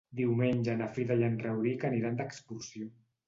Diumenge na Frida i en Rauric aniran d'excursió.